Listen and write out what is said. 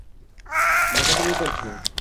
মজা তুমি করছো।